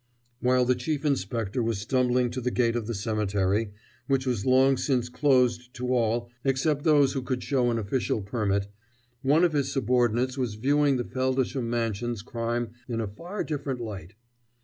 While the Chief Inspector was stumbling to the gate of the Cemetery which was long since closed to all except those who could show an official permit one of his subordinates was viewing the Feldisham Mansions crime in a far different light.